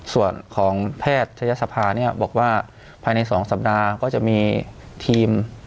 ส่วนของแพทยศภาเนี่ยบอกว่าภายใน๒สัปดาห์ก็จะมีทีม